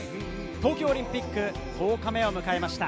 東京オリンピック１０日目を迎えました。